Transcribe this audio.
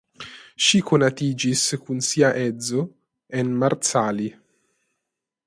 Ŝi konatiĝis kun sia edzo en Marcali.